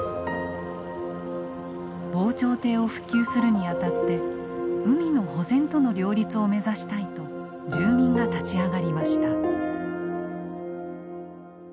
防潮堤を復旧するにあたって海の保全との両立を目指したいと住民が立ち上がりました。